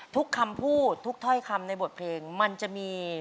ทุกคำพูดทุกถ้อยคำในบทเพลงมันจะมี